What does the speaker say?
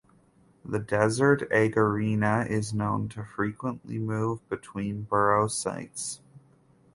The desert egernia is known to frequently move between burrow sites.